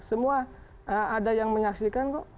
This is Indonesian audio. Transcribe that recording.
semua ada yang menyaksikan kok